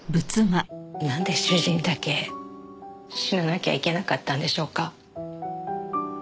なんで主人だけ死ななきゃいけなかったんでしょうか。